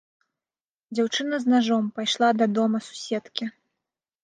Дзяўчына з нажом прыйшла да дома суседкі.